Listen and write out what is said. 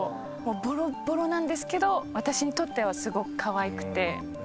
もうボロッボロなんですけど私にとってはすごくかわいくて。